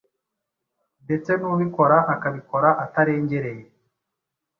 ndetse n’ubikora akabikora atarengereye